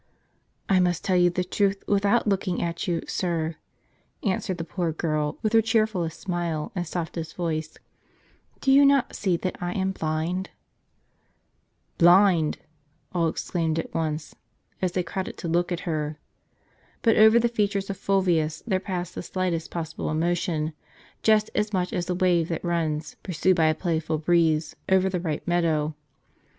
" I must tell you the truth without looking at you, sir," answered the poor girl, with her cheerfuUest smile and softest voice ; "do you not see that I am blind ?"" Blind !" all exclaimed at once, as they crowded to look at her. But over the features of Fulvius there passed the slightest possible emotion, just as much as the wave that runs, pursued by a playful breeze, over the ripe meadow.